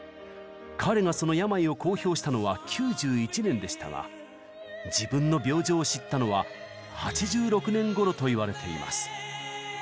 彼がその病を公表したのは９１年でしたが自分の病状を知ったのは８６年ごろといわれています。